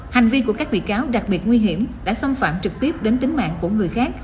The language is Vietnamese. hành vi của các bị cáo đặc biệt nguy hiểm đã xâm phạm trực tiếp đến tính mạng của người khác